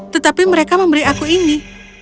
tetapi mereka memberi aku ini